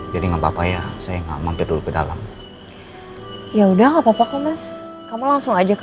jadi nggak papa ya saya nggak mampir dulu ke dalam ya udah nggak papa kok mas kamu langsung aja ke